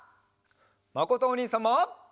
まことおにいさんも。